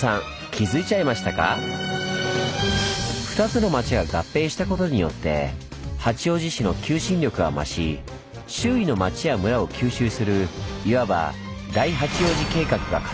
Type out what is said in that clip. ２つの町が合併したことによって八王子市の求心力は増し周囲の町や村を吸収するいわば「大八王子計画」が加速します。